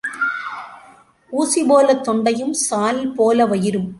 ஊசி போலத் தொண்டையும் சால் போல வயிறும்.